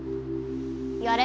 やれ。